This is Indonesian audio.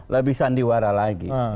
lebih sandiwara lagi